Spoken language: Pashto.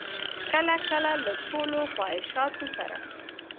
کله کله له ټولو خواهشاتو سره.